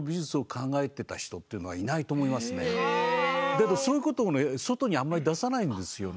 でもそういうことをね外にあんまり出さないんですよね。